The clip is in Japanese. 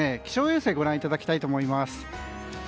気象衛星をご覧いただきたいと思います。